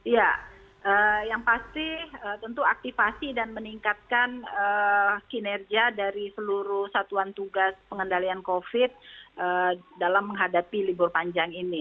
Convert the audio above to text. ya yang pasti tentu aktifasi dan meningkatkan kinerja dari seluruh satuan tugas pengendalian covid dalam menghadapi libur panjang ini